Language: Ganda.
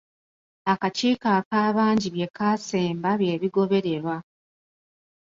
Akakiiko akaabangi bye kaasemba bye bigobererwa.